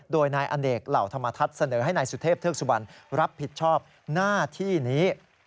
โดยนายอเนกเหล่าธรรมทัศน์เสนอให้นายสุเทพเทือกสุบันรับผิดชอบหน้าที่นี้